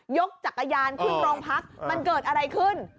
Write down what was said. จักรยานขึ้นโรงพักมันเกิดอะไรขึ้น